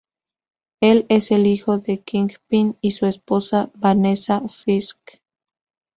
Él es el hijo del Kingpin y su esposa Vanessa Fisk.